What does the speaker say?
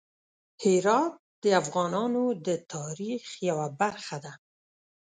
هرات د افغانانو د تاریخ یوه برخه ده.